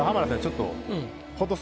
ちょっと。